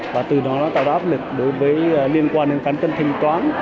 và từ đó nó tạo ra áp lực đối với liên quan đến cán cân thanh toán